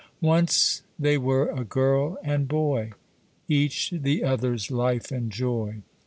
Once they were a girl and boy, Each the other's life and joy.